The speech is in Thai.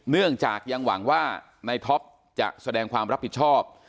เนื่องจากยังหวังว่าในท็อปจะแสดงความรับผิดชอบ